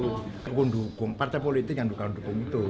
tidak mendukung partai politik yang bukan mendukung itu